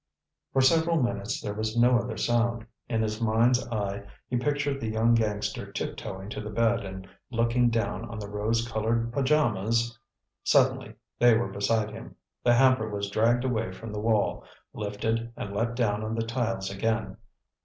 For several minutes there was no other sound. In his mind's eye he pictured the young gangster tiptoeing to the bed and looking down on the rose colored pajamas— Suddenly they were beside him. The hamper was dragged away from the wall, lifted and let down on the tiles again.